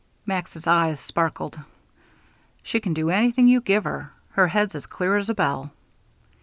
Max's eyes sparkled. "She can do anything you give her. Her head's as clear as a bell."